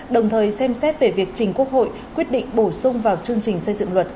đồng thời xem xét về việc trình quốc hội quyết định bổ sung vào chương trình xây dựng luật